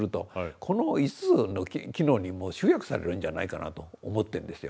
この５つの機能にもう集約されるんじゃないかなと思ってるんですよ。